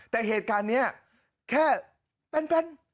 แต่เหตุการณ์นี้แค่เป็น